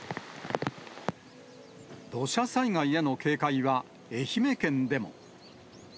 土砂災害への警戒は、愛媛県でも。